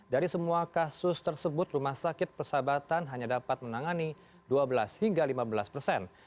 dari semua kasus tersebut rumah sakit persahabatan hanya dapat menangani dua belas hingga lima belas persen